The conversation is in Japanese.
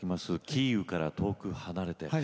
「キーウから遠く離れて」。